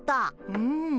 うん。